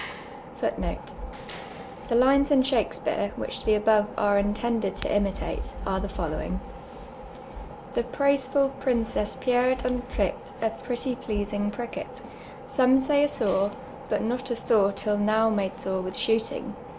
Tlic lines in Shakspeare, whicb tbe above are intended to imiute, are the following :— ''The praiseful princess pierr'd and prirk'd a pretty pleasintj prirket ; Some .say a sore ; but not a sore till now made sore with . ^hooting.